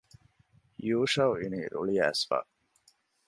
ޔޫޝައު އިނީ ރުޅިއައިސްފަ